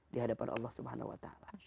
di hadapan allah swt